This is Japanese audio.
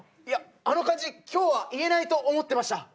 いやあの感じ今日は言えないと思ってました。